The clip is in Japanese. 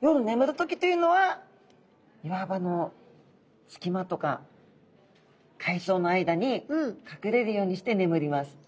夜ねむる時というのは岩場の隙間とか海藻の間にかくれるようにしてねむります。